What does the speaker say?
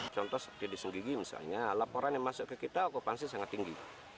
contoh seperti di sunggigi misalnya laporan yang masuk ke kita okupansi sangat tinggi